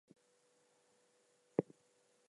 I’ll just talk about some things that stood out to me.